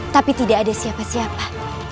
tapi tidak ada siapa siapa